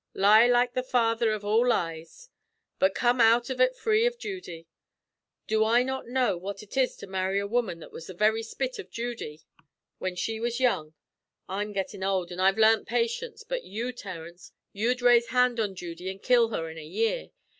Lie like the father av all lies, but come out av ut free av Judy. Do I not know what ut is to marry a woman that was the very spit av Judy when she was young? I'm gettin' ould, an' I've larnt patience; but you, Terence, you'd raise hand on Judy an' kill her in a year.